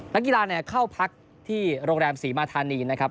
นักกีฬาเข้าพักที่โรงแรมศรีมาธานีนะครับ